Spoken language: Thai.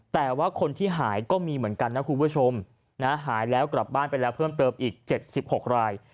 แต่ว่าคนที่หายก็มีเหมือนกันนะคุณผู้ชมหายแล้วกลับบ้านไปแล้วเพิ่มเติมอีก๗๖ราย